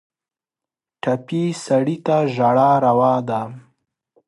ټپي سړی ته ژړا روا ده.